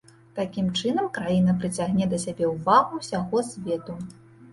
Такім чынам, краіна прыцягне да сябе ўвагу ўсяго свету.